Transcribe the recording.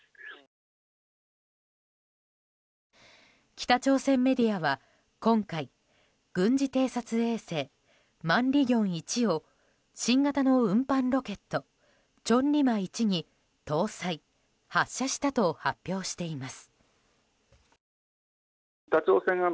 北朝鮮メディアは今回、軍事偵察衛星「マンリギョン１」を新型の運搬ロケット「チョンリマ１」に搭載・発射したと発表しています。